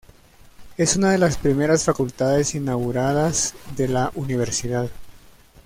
Es una de las primeras facultades inauguradas de la universidad.